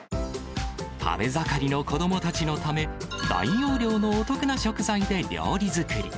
食べ盛りの子どもたちのため、大容量のお得な食材で料理作り。